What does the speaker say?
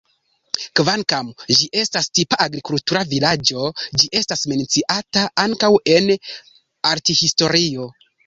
Kvankam ĝi estas tipa agrikultura vilaĝo, ĝi estas menciata ankaŭ en arthistorio.